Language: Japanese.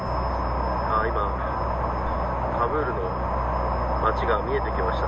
カブールの街が見えてきました。